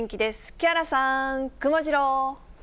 木原さん、くもジロー。